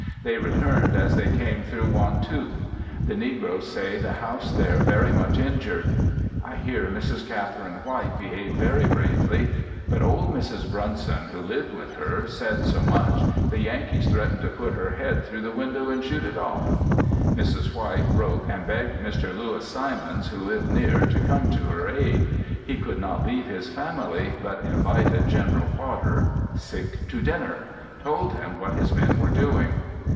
They returned as they came through Wantoot. The negroes say the house there very much injured. I hear Mrs. (Catherine) White behaved very bravely, but old Mrs. Brunson, who lived with her, said so much, the Yankees threatened to put her head through the window and shoot it off! Mrs. White wrote and begged Mr. Lewis Simons, who lived near, to come to her aid. He could not leave his family, but invited General Potter to dinner; told him what his men were doing.